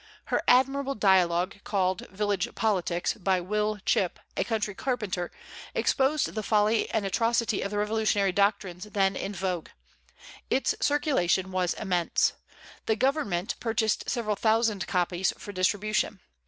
Her admirable dialogue, called "Village Politics," by Will Chip, a country carpenter, exposed the folly and atrocity of the revolutionary doctrines then in vogue. Its circulation was immense. The Government purchased several thousand copies for distribution.